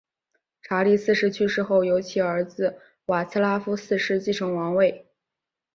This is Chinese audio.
查理四世去世后由其儿子瓦茨拉夫四世继承王位。